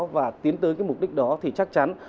và tiến tới cái mục đích đó thì chắc chắn